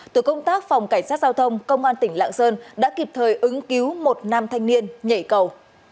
tổ công tác phòng cảnh sát giao thông công an tỉnh lạng sơn đã kịp thời ứng cứu một nam thanh niên nhảy cầu